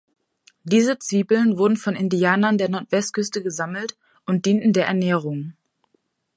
Diese Zwiebeln wurden von den Indianern der Nordwestküste gesammelt und dienten der Ernährung.